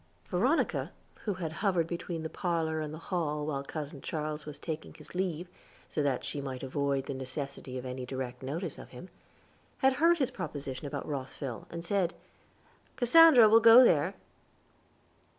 Veronica, who had hovered between the parlor and the hall while Cousin Charles was taking his leave, so that she might avoid the necessity of any direct notice of him, had heard his proposition about Rosville, said, "Cassandra will go there."